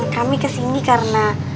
kami kesini karena